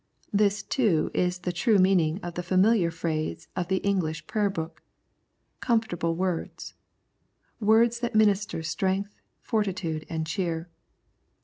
This, too, is the true meaning of the familiar phrase of the English Prayer Book, " Comfortable words "— words that minister strength, fortitude, and cheer.